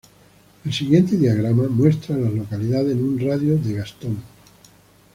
El siguiente diagrama muestra a las localidades en un radio de de Gaston.